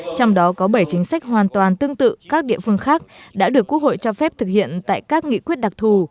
trong đó có bảy chính sách hoàn toàn tương tự các địa phương khác đã được quốc hội cho phép thực hiện tại các nghị quyết đặc thù